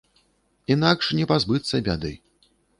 Інакш не пазбыцца бяды.